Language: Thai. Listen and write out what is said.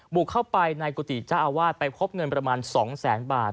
บุกเข้าไปในกุฏิเจ้าอาวาสไปพบเงินประมาณ๒แสนบาท